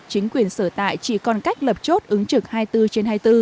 chính quyền sở tại chỉ còn cách lập chốt ứng trực hai mươi bốn trên hai mươi bốn